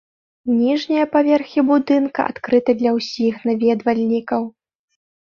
Ніжнія паверхі будынка адкрыты для ўсіх наведвальнікаў.